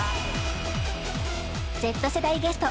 Ｚ世代ゲスト